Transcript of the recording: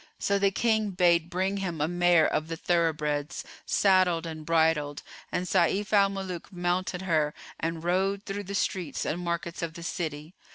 So the King bade bring him a mare of the thoroughbreds, saddled and bridled; and Sayf al Muluk mounted her and rode through the streets and markets of the city.